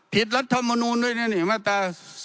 ผิดรัฐมนูนด้วยนี่นี่มาตรา๒๑๙